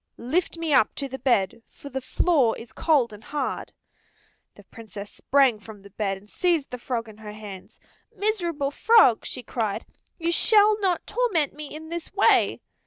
Lift me up to the bed, for the floor is cold and hard." The Princess sprang from the bed and seized the frog in her hands. "Miserable frog," she cried, "you shall not torment me in this way."